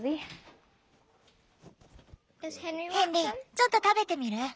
ヘンリーちょっと食べてみる？